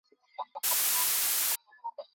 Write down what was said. শুরু করেছিলেন বিড়াল দিয়ে, এখন চলে এসেছেন সরীসৃপে।